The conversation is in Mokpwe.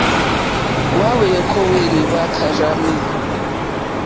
Hwa hweokoweli hwe karzami.